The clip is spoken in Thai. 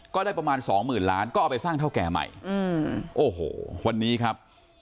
ก็ได้ประมาณสองหมื่นล้านก็เอาไปสร้างเท่าแก่ใหม่โอ้โหวันนี้ครับ